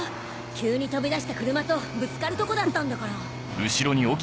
急に飛び出した車とぶつかるとこだったんだから。